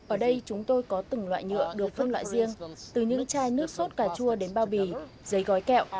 ở đây chúng tôi có từng loại nhựa được phân loại riêng từ những chai nước sốt cà chua đến bao bì giấy gói kẹo